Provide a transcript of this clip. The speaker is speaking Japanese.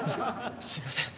すいません！